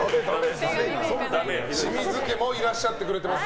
清水家もいらっしゃってくれてます。